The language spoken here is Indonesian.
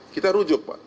kita rujuk pak